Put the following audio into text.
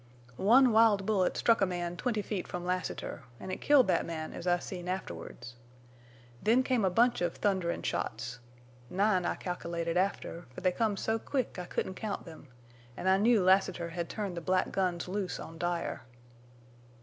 One wild bullet struck a man twenty feet from Lassiter. An' it killed thet man, as I seen afterward. Then come a bunch of thunderin' shots—nine I calkilated after, fer they come so quick I couldn't count them—an' I knew Lassiter hed turned the black guns loose on Dyer.